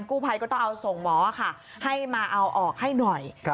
กู้ภัยก็ต้องเอาส่งหมอค่ะให้มาเอาออกให้หน่อย